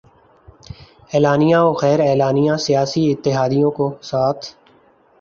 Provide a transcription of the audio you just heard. اعلانیہ وغیر اعلانیہ سیاسی اتحادیوں کو ساتھ